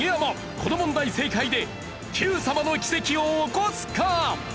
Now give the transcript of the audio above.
この問題正解で『Ｑさま！！』の奇跡を起こすか！？